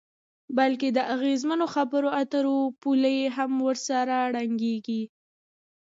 بلکې د اغیزمنو خبرو اترو پولې هم ورسره ړنګیږي.